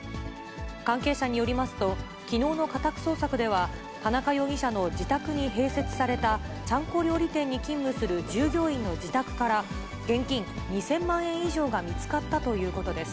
関係者によりますと、きのうの家宅捜索では、田中容疑者の自宅に併設されたちゃんこ料理店に勤務する従業員の自宅から、現金２０００万円以上が見つかったということです。